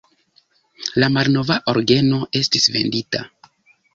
La malnova orgeno estis vendita.